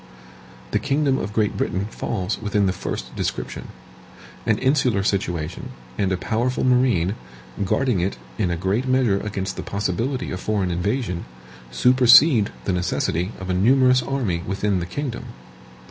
The kingdom of Great Britain falls within the first description. An insular situation, and a powerful marine, guarding it in a great measure against the possibility of foreign invasion, supersede the necessity of a numerous army within the kingdom.